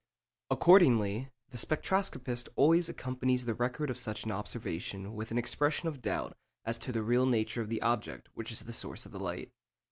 Accordingly, the spectroscopist always accompanies the record of such an observation with an expression of doubt as to the real nature of the object which is the source of light.